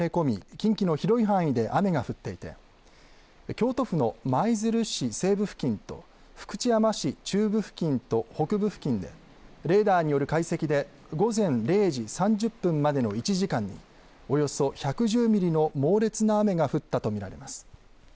近畿の広い範囲で雨が降っていて京都府の舞鶴市西部付近と福知山市中部付近と北部付近でレーダーによる解析で午前０時３０分までの１時間におよそ１１０ミリの猛烈な雨が降ったと見られます。